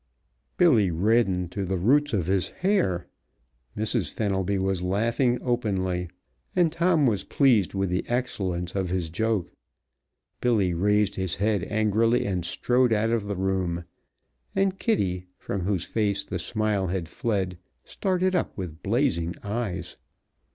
Billy reddened to the roots of his hair. Mrs. Fenelby was laughing openly and Tom was pleased with the excellence of his joke. Billy raised his head angrily and strode out of the room, and Kitty, from whose face the smile had fled, started up with blazing eyes.